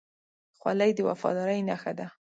خولۍ د وفادارۍ نښه ده.